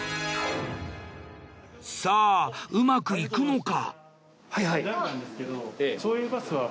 さあうまくいくのか？